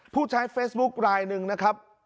ผู้ใช้เฟซบุ๊คลายหนึ่งนะครับ